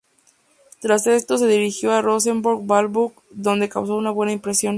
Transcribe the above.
Tras esto, se dirigió al Rosenborg Ballklub, donde causó una buena impresión.